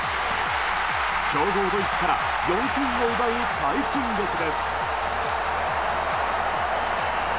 強豪ドイツから４点を奪う快進撃です。